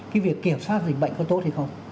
cái việc kiểm soát dịch bệnh có tốt hay không